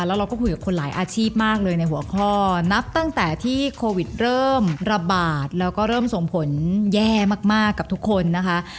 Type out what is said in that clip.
แล้วเราก็คุยกับคนหลายอาชีพมากเลยในหัวข้อนับตั้งแต่ที่โควิดเริ่มระบาดแล้วก็เริ่มส่งผลแย่มากกับทุกคนนะคะ